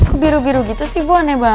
kok biru biru gitu sih ibu aneh banget